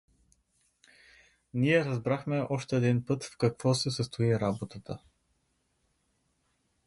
Ние разбрахме още един път в какво се състои работата, т.